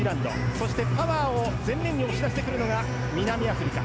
そしてパワーを前面に押し出してくるのが南アフリカ。